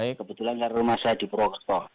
kebetulan karena rumah saya di purwokerto